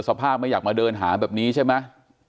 เมื่อกี้คนหายด้วยพวกก็เปลี่ยนใจเขา